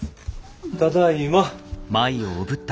ただいま。